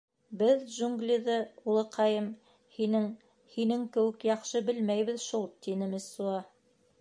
— Беҙ джунглиҙы, улыҡайым, һинең... һинең кеүек яҡшы белмәйбеҙ шул, — тине Мессуа.